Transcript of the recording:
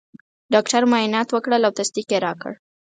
ډاکټر معاینات وکړل او تصدیق یې راکړ.